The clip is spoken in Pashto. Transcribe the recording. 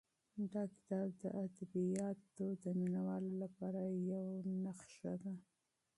دا کتاب د ادبیاتو د مینه والو لپاره یو ډالۍ ده.